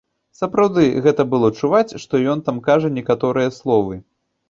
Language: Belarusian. Сапраўды, гэта было чуваць, што ён там кажа некаторыя словы.